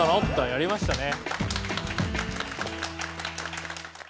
やりましたね。